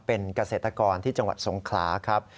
เป็นเกษตรกรที่จังหวัดสงขลาครับ